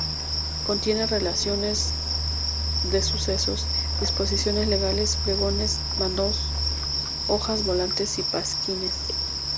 Contiene relaciones de sucesos, disposiciones legales, pregones, bandos, hojas volantes y pasquines.